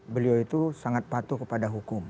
beliau itu sangat patuh kepada hukum